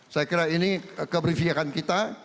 saya kira ini keberviakan kita